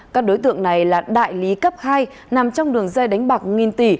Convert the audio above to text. các đối tượng này là đại lý cấp hai nằm trong đường dây đánh bạc nghìn tỷ